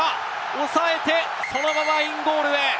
押さえて、そのままインゴールへ！